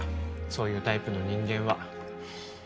そういうタイプの人間は。